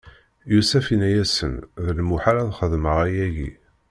Yusef inna-yasen: D lmuḥal ad xedmeɣ ayagi!